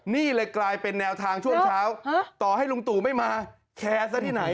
นี่เลยกลายเป็นแนวทางช่วงเช้าต่อให้ลุงตู่ไม่มาแคร์ซะที่ไหน